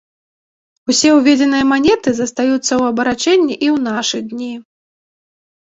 Усе ўведзеныя манеты застаюцца ў абарачэнні і ў нашы дні.